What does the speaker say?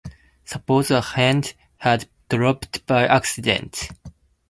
Suppose a hand had dropped by accident!